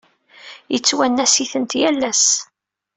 Yettwanas-itent yal ass.